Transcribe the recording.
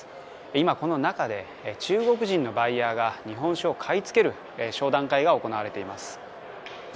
今、この中で中国人のバイヤーが日本酒を買い付ける商談会が行われています。